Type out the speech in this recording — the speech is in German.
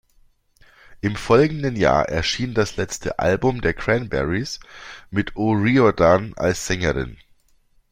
Im folgenden Jahr erschien das letzte Album der "Cranberries" mit O’Riordan als Sängerin.